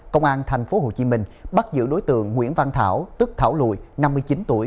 công an tp hcm bắt giữ đối tượng nguyễn văn thảo tức thảo lùi năm mươi chín tuổi